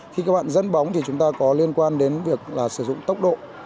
khi các bạn dân bóng thì chúng ta có liên quan đến việc là sử dụng tốc độ